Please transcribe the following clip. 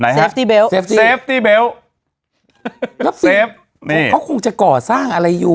ไหนฮะเซฟตี้เบลท์เซฟตี้เบลท์เซฟตี้เบลท์เขาคงจะก่อสร้างอะไรอยู่